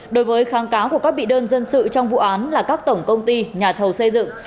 đối với kháng cáo của các bị đơn dân sự trong vụ án là các tổng công ty nhà thầu xây dựng